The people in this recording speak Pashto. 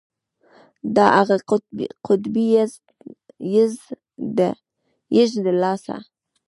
د اغه قطبي يږ د لاسه.